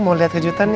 mau liat kejutan nih